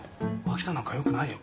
秋田なんかよくないよ。